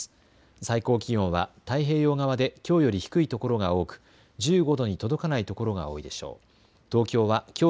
最高気温は太平洋側できょうより低いところが多く１５度に届かないところが多いでしょう。